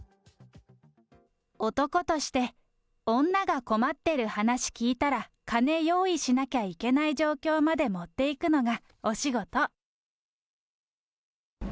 男として女が困ってる話聞いたら金用意しなきゃいけない状況まで持っていくのがお仕事。